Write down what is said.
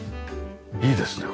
いいですね